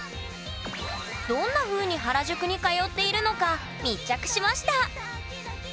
どんなふうに原宿に通っているのか密着しました！